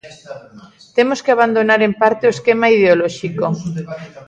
Temos que abandonar en parte o esquema ideolóxico.